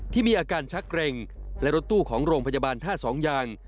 ที่มีอาการชักเกร็งและรถตู้ของโรงพยาบาลท่าสองอย่าง